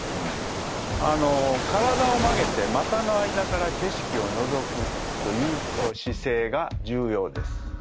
あの体を曲げて股の間から景色をのぞくという姿勢が重要です。